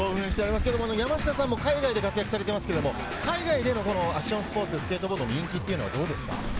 山下さんも海外で活躍されていますけれど、海外でのアクションスポーツ、スケートボードの人気はどうですか？